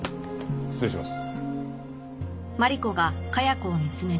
失礼します。